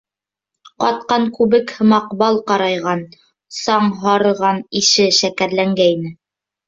Ҡатҡан күбек һымаҡ бал ҡарайған, саң һарыған ише шәкәрләнгәйне.